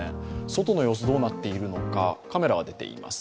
外の様子どうなっているのかカメラが出ています。